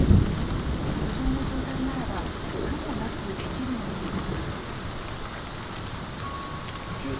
通常の状態ならば苦もなくできるのですが。